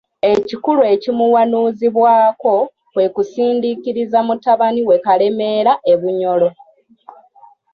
Ekikulu ekimuwanuuzibwako kwe kusindiikiriza mutabani we Kalemeera e Bunyoro.